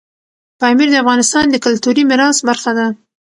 پامیر د افغانستان د کلتوري میراث برخه ده.